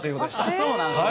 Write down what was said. そうなんですね。